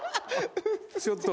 ちょっと。